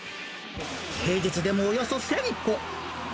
平日でもおよそ１０００個。